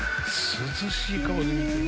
涼しい顔で見てる。